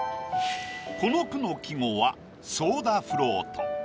この句の季語は「ソーダフロート」。